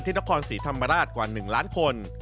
นครศรีธรรมราชกว่า๑ล้านคน